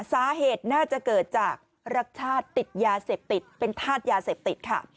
สาเหตุน่าจะเกิดจากรักชาติติดยาเสพติดเป็นธาตุยาเสพติดค่ะ